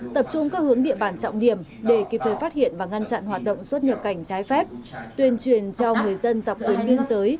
tập trung các hướng địa bàn trọng điểm để kịp thời phát hiện và ngăn chặn hoạt động xuất nhập cảnh trái phép tuyên truyền cho người dân dọc tuyến biên giới